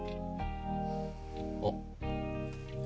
あっ